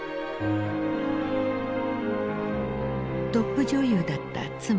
トップ女優だった妻